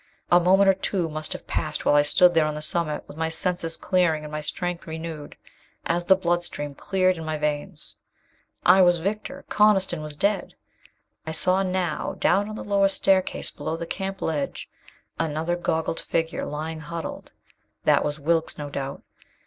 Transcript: A moment or two must have passed while I stood there on the summit, with my senses clearing and my strength renewed as the blood stream cleared in my veins. I was victor. Coniston was dead. I saw now, down on the lower staircase below the camp ledge, another goggled figure lying huddled. That was Wilks, no doubt.